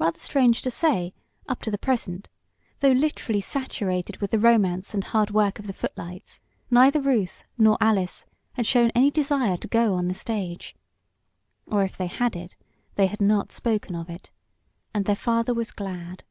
Rather strange to say, up to the present, though literally saturated with the romance and hard work of the footlights, neither Ruth nor Alice had shown any desire to go on the stage. Or, if they had it, they had not spoken of it. And their father was glad.